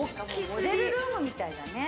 モデルルームみたいだね。